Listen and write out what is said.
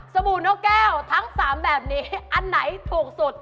บู่นกแก้วทั้ง๓แบบนี้อันไหนถูกสุด